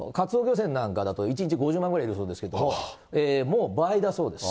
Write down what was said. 船なんかだと１日５０万ぐらいいるそうですけど、もう倍だそうです。